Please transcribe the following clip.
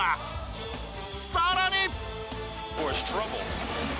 さらに。